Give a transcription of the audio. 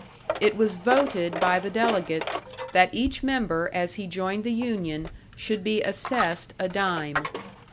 It was voted by the delegates that each member as he joined the union should be assessed a dime.